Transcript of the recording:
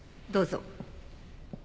どうぞ。